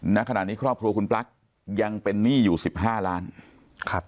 ณขณะนี้ครอบครัวคุณพลักษณ์ยังเป็นหนี้อยู่สิบห้าล้านครับ